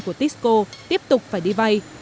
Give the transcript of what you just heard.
của tisco tiếp tục phải đi vay